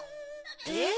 えっ？